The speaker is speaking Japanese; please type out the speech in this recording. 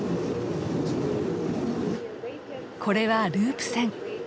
これはループ線。